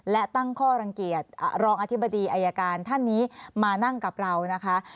และตั้งข้อรังเกียจรองอธิบดีอายการท่านนี้มานั่งกับเรานะคะ